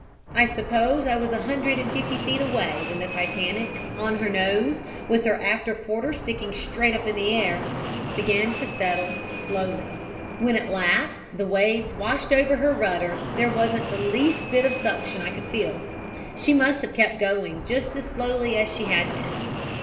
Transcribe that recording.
I suppose I was 150 feet away when the Titanic, on her nose, with her after quarter sticking straight up in the air, began to settle slowly. "When at last the waves washed over her rudder there wasn't the least bit of suction I could feel. She must have kept going just as slowly as she had been.